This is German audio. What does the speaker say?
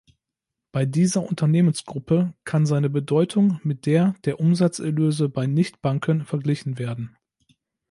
Bei dieser Unternehmensgruppe kann seine Bedeutung mit der der Umsatzerlöse bei Nichtbanken verglichen werden.